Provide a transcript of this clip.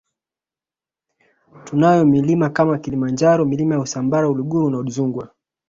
Tunayo milima kama Kilimanjaro Milima ya Usambara Uluguru na Udzungwa